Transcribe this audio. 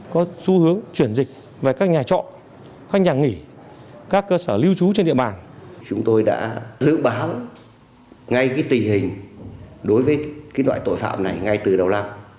chúng tôi đã dự báo ngay cái tình hình đối với cái loại tội phạm này ngay từ đầu lặng